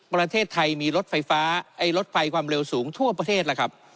ประเทศไทยมีรถไฟฟ้าไอ้รถไฟความเร็วสูงทั่วประเทศล่ะครับ